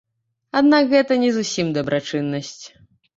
Аднак гэта не зусім дабрачыннасць.